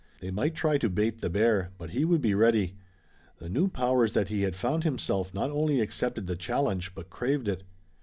They might try to "bait the bear" but he would be ready. The new powers that he had found in himself not only accepted the challenge, but craved it.